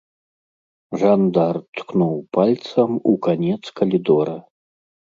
Жандар ткнуў пальцам у канец калідора.